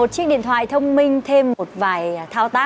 chào bố ạ